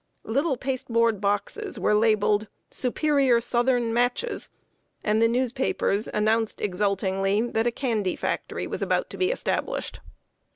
Little pasteboard boxes were labeled "Superior Southern Matches," and the newspapers announced exultingly that a candy factory was about to be established.